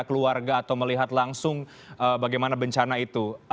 keluarga atau melihat langsung bagaimana bencana itu